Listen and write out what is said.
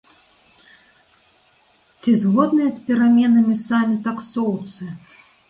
Ці згодныя з пераменамі самі таксоўцы?